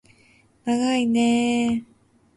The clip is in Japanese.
ながいねー